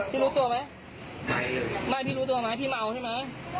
รู้ตัวไหมไม่พี่รู้ตัวไหมพี่เมาใช่ไหม